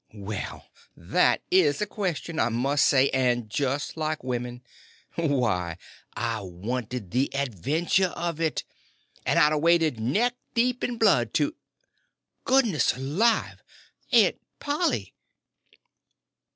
"Well, that is a question, I must say; and just like women! Why, I wanted the adventure of it; and I'd a waded neck deep in blood to—goodness alive, AUNT POLLY!"